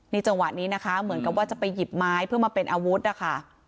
จังหวะนี้นะคะเหมือนกับว่าจะไปหยิบไม้เพื่อมาเป็นอาวุธนะคะ